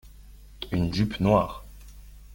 Une jupe noire.